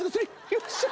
よっしゃ。